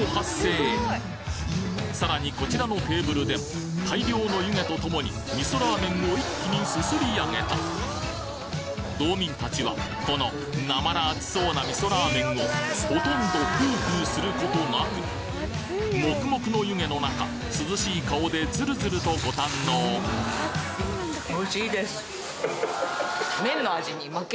さらにこちらのテーブルでも大量の湯気と共に味噌ラーメンを一気にすすり上げた道民たちはこのなまら熱そうな味噌ラーメンをほとんどフーフーすることなくモクモクの湯気の中涼しい顔でズルズルとご堪能何？